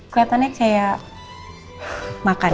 keliatannya kayak makanan